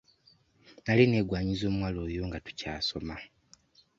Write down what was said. Nali neegwanyiza omuwala oyo nga tukyasoma.